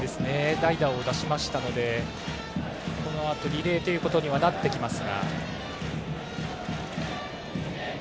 代打を出しましたのでこのあとリレーということにはなってきます。